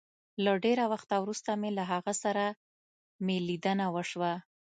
له ډېره وخته وروسته مي له هغه سره مي ليدنه وشوه